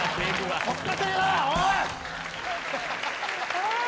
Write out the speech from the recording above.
おい！